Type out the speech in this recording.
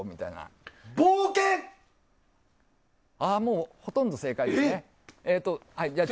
もうほとんど正解ですね。